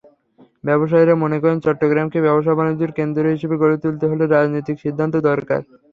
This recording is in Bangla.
ব্যবসায়ীরা মনে করেন, চট্টগ্রামকে ব্যবসা-বাণিজ্যের কেন্দ্র হিসেবে গড়ে তুলতে হলে রাজনৈতিক সিদ্ধান্ত দরকার।